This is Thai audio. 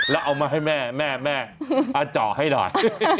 แล้วเอามาให้แม่แม่เจาะให้หน่อย